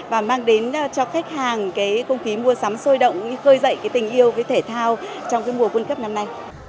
và mang đến cho khách hàng cái không khí mua sắm sôi động khơi dậy cái tình yêu với thể thao trong cái mùa world cup năm nay